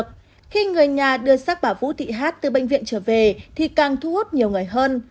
khi người nhà đưa xác bà vũ thị hát từ bệnh viện trở về thì càng thu hút nhiều người hơn